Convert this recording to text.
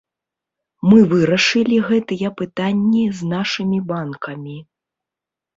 Мы вырашылі гэтыя пытанні з нашымі банкамі.